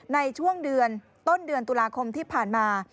ในช่วงเดือนต้นเดือนตุลาคมที่ผ่านมา